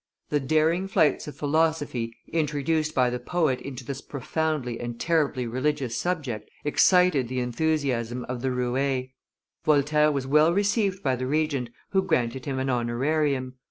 The daring flights of philosophy introduced by the poet into this profoundly and terribly religious subject excited the enthusiasm of the roues; Voltaire was well received by the Regent, who granted him an honorarium.